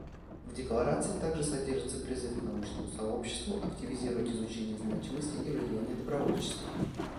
В декларации также содержится призыв к научному сообществу активизировать изучение значимости и влияния добровольчества.